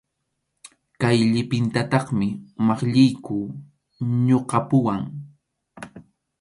Kay llipintataqmi maqlliyku ñuqapuwan.